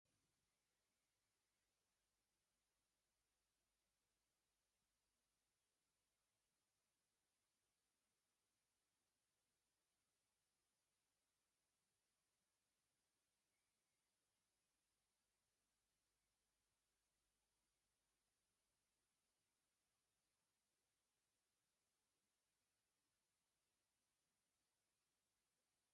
no audio